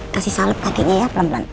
kasih salep akhirnya ya pelan pelan